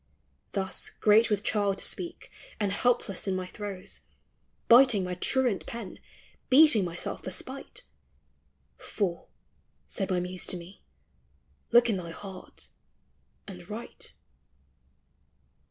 Thus, great with child to speak, and helpless in my throes, Biting my truant pen, beating myself for spite; Fool, said my Muse to me, look in thy heart, and write.